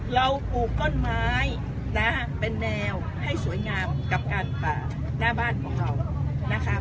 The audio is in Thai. ปลูกต้นไม้นะเป็นแนวให้สวยงามกับการป่าหน้าบ้านของเรานะคะ